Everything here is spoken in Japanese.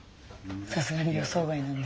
さすがに予想外なんで。